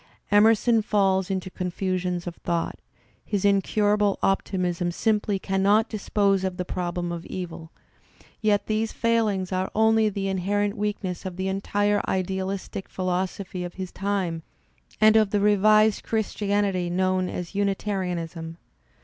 Emerson falls into confusions of thought; his incurable optimism simply cannot dispose of the problem of evil; yet these failings are only the inherent weakness of the entire idealistic philosophy of his time and of the revised Christi anily known as Unitarianism.